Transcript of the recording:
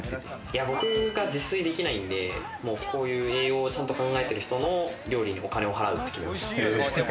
僕が自炊できないんで、こういう栄養をちゃんと考えてる人の料理にお金を払うって。